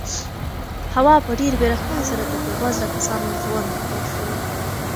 هوا په ډېرې بې رحمۍ سره د بې وزله کسانو ژوند ګواښلو.